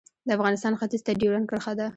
د افغانستان ختیځ ته ډیورنډ کرښه ده